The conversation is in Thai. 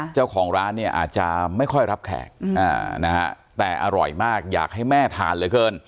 เจ้าของร้านเนี่ยอาจจะไม่ค่อยรับแขกแต่อร่อยมากอยากให้แม่ทานเหลือเกิน